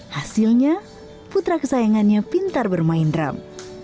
hasilnya putra kesayangannya pintar bermain drum